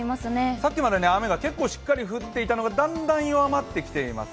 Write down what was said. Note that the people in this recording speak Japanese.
さっきまで雨が結構しっかり降っていたのが、だんだん弱まりそうです。